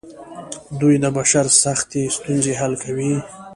دوی د بشر سختې ستونزې حل کوي.